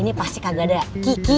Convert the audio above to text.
ini pasti kagak ada